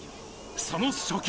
その初球。